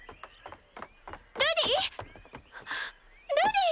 ルディ！？ルディ！